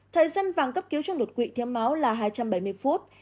thời gian vàng cấp cứu trong đột quỵ thiếu máu là hai trăm bảy mươi phút